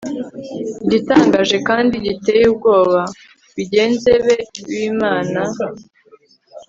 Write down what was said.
Igitangaje kandi giteye ubwoba bagenzi be bimana